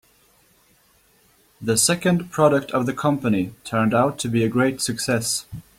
The second product of the company turned out to be a great success.